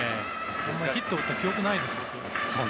ヒットを打った記憶がないですよ、僕。